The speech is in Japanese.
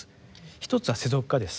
一つは「世俗化」です。